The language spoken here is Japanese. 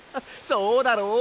そうだろう？